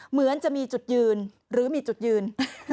เหมือนจะมีจุดยืน